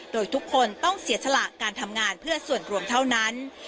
โดยทุกคนต้องเสียสละการทำงานเพื่อส่วนรวมเท่านั้น